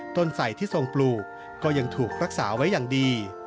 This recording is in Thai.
ใส่ที่ทรงปลูกก็ยังถูกรักษาไว้อย่างดี